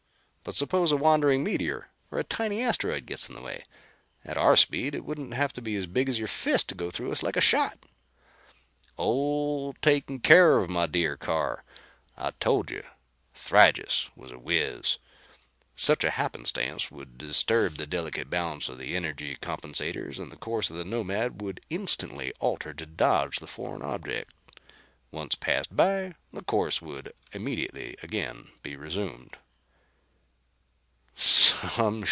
But suppose a wandering meteor or a tiny asteroid gets in the way? At our speed it wouldn't have to be as big as your fist to go through us like a shot." "All taken care of, my dear Carr. I told you Thrygis was a wiz. Such a happenstance would disturb the delicate balance of the energy compensators and the course of the Nomad would instantly alter to dodge the foreign object. Once passed by, the course would again be resumed."